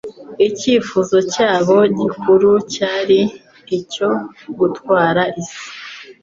Icyifuzo cyabo gikuru cyari, icyo gutwara isi.